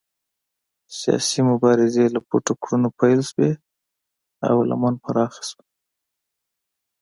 سیاسي مبارزې له پټو کړنو پیل شوې او لمن یې پراخه شوه.